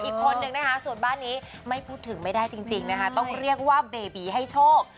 อีกคนนึงนะคะส่วนบ้านนี้ไม่พูดถึงไม่ได้จริงนะคะต้องเรียกว่าเบบีให้โชค